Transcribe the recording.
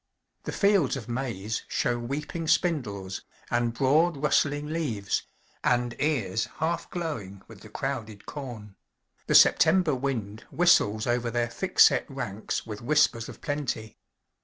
The fields of maize show weeping spindles, and broad rustling leaves, and ears half glowing with the crowded corn; the September wind whistles over their thick set ranks with whispers of plenty.